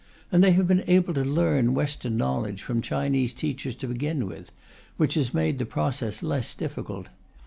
And they have been able to learn Western knowledge from Chinese teachers to begin with, which has made the process less difficult.